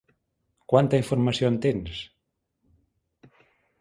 Quanta informació en tens?